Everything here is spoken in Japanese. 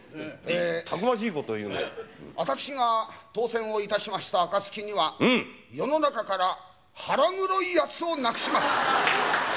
私が当選をいたしましたあかつきには世の中から腹黒いやつをなくします。